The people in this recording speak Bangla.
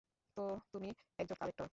তু-তুমি একজন কালেক্টর?